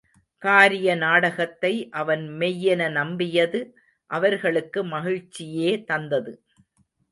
காரிய நாடகத்தை அவன் மெய்யென நம்பியது அவர்களுக்கு மகிழ்ச்சியே தந்தது.